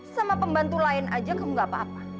sama pembantu lain aja kamu gak apa apa